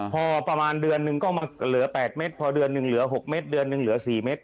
พอประมาณเดือนหนึ่งก็มาเหลือ๘เม็ดพอเดือนหนึ่งเหลือ๖เม็ดเดือนหนึ่งเหลือ๔เม็ด